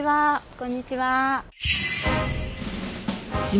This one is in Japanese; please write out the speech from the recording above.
こんにちは。